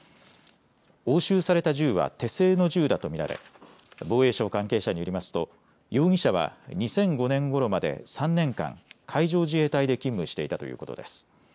押収された銃は手製の銃だとみられ防衛省関係者によりますと容疑者は２００５年ごろまで３年間、海上自衛隊で勤務していたということです。